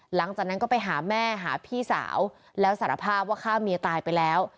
หลังจากนั้นก็ไปหาแม่หาพี่สาวแล้วสารภาพว่าฆ่าเมียตายไปแล้ว